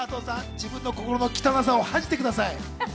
加藤さん、自分の心の汚さを恥じてください。